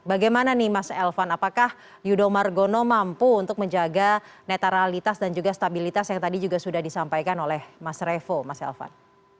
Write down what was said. bagaimana nih mas elvan apakah yudho margono mampu untuk menjaga netralitas dan juga stabilitas yang tadi juga sudah disampaikan oleh mas revo mas elvan